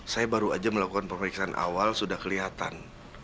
saya baru aja melakukan pemeriksaan awal sudah kelihatan